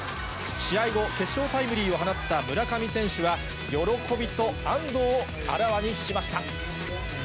試合後、決勝タイムリーを放った村上選手は喜びと安どをあらわにしました。